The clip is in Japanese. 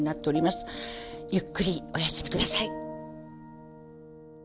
ゆっくりお休み下さい。